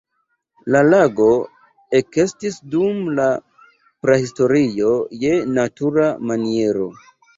La lago ekestis dum la prahistorio je natura maniero.